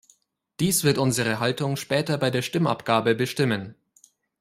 Dies wird unsere Haltung später bei der Stimmabgabe bestimmen.